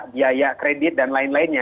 biaya kredit dan lainnya